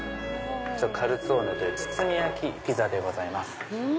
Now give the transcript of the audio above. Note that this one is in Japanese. カルツォーネという包み焼きピザでございます。